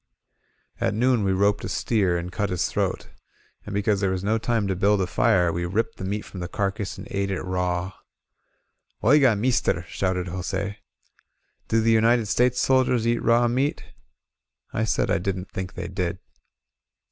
At noon we roped a steer, and cut his throat. And because there was no time to build a fire, we ripped the meat from the carcase and ate it raw. ^^OigOy meester," shouted Jose. "Do the United States soldiers eat raw meat?" I said I didn't think they did.